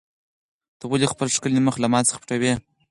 ته ولې خپل ښکلی مخ له ما څخه پټوې؟